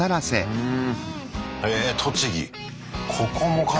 うん。